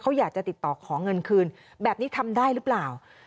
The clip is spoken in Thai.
เขาอยากจะติดต่อขอเงินคืนแบบนี้ทำได้หรือเปล่า